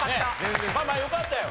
まあまあよかったよ。